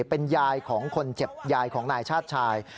เป็นยายของคนเจ็บยายของนายชาติชาย